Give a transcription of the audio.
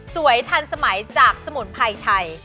ทันสมัยจากสมุนไพรไทย